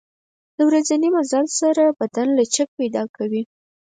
د ورځني مزل سره بدن لچک پیدا کوي.